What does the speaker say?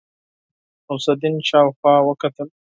غوث الدين شاوخوا وکتل.